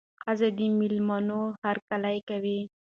ښځه د مېلمنو هرکلی کوي.